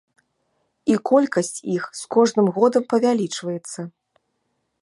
І колькасць іх з кожным годам павялічваецца.